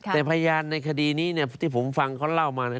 แต่พยานในคดีนี้เนี่ยที่ผมฟังเขาเล่ามาเนี่ย